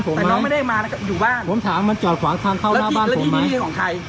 เป็นคือปัญหาคลาสสิกมาก